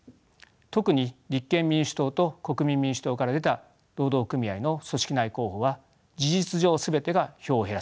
特に立憲民主党と国民民主党から出た労働組合の組織内候補は事実上全てが票を減らしました。